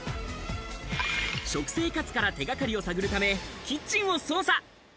食生活から手掛かりを探るため、キッチンを捜査。